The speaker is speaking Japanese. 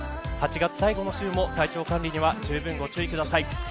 ８月最後の週も体調管理にはじゅうぶんご注意ください。